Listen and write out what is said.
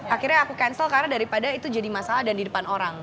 akhirnya aku cancel karena daripada itu jadi masalah dan di depan orang